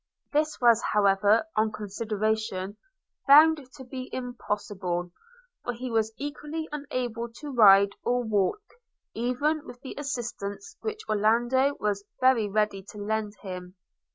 This was however, on consideration, found to be impossible; for he was equally unable to ride or walk, even with the assistance which Orlando was very ready to lend him.